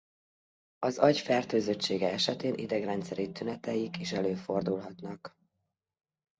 Az agy fertőzöttsége esetén idegrendszeri tüneteik is előfordulhatnak.